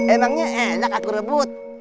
emangnya enak aku rebut